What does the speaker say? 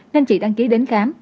nên chị đăng ký đến khám